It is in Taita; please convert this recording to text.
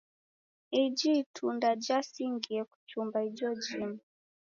Iji itunda jasingie kuchumba ijo jimu.